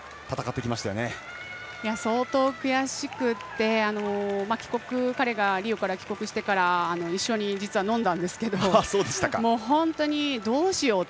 相当、悔しくて彼がリオから帰国してから一緒に実は飲んだんですけど本当に、どうしようと。